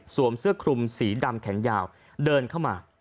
เสื้อคลุมสีดำแขนยาวเดินเข้ามา